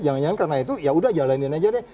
jangan jangan karena itu ya udah jalanin aja deh